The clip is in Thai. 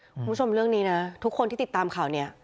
คุณผู้ชมเรื่องนี้นะทุกคนที่ติดตามข่าวนี้